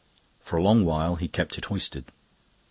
For a long while he kept it hoisted.